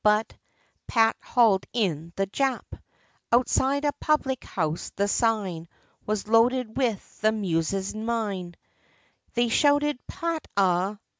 But Pat hauled in the Jap. Outside a public house, the sign was loaded with the muses nine, They shouted "Pat ah!